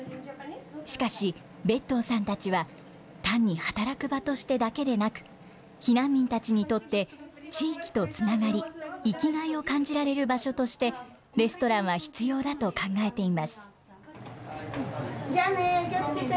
しかし、別當さんたちは単に働く場としてだけでなく、避難民たちにとって地域とつながり、生きがいを感じられる場所としてレストランは必要だと考えていまじゃあね、気をつけて。